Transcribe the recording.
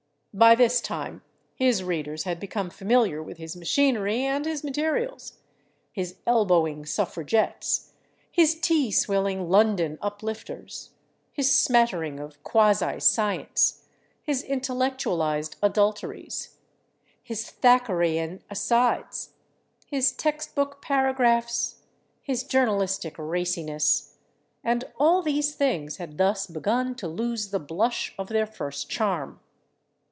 By this time his readers had become familiar with his machinery and his materials—his elbowing suffragettes, his tea swilling London uplifters, his smattering of quasi science, his intellectualized adulteries, his Thackerayan asides, his text book paragraphs, his journalistic raciness—and all these things had thus begun to lose the blush of their first charm.